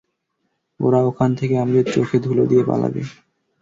ওরা ওখান থেকে আমাদের চোখে ধুলো দিয়ে পালাবে।